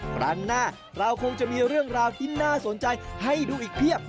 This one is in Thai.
ครั้งหน้าเราคงจะมีเรื่องราวที่น่าสนใจให้ดูอีกเพียบ